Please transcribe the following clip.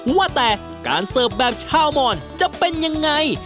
ว่าแต่การเสิร์ฟแบบชาวมอนจะเป็นยังไง